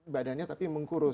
badannya tapi mengkurus